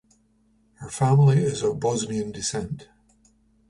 Her family is of Bosnian descent.